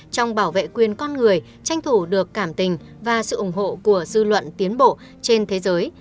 trong bảo vệ quyền con người tranh thủ được cảm tình và sự ủng hộ của dư luận tiến bộ trên thế giới